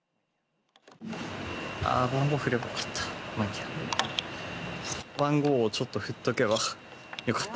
あー、番号振ればよかった。